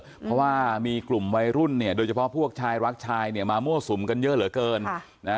เพราะว่ามีกลุ่มวัยรุ่นเนี่ยโดยเฉพาะพวกชายรักชายเนี่ยมามั่วสุมกันเยอะเหลือเกิน